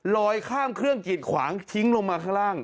ข้ามเครื่องกิดขวางทิ้งลงมาข้างล่าง